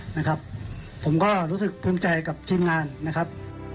ผมก็รู้สึกเต็มใจกับทีมงานนะครับ